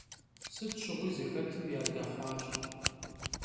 Сыт щыгъуи зыхэтым ядэхъуащ.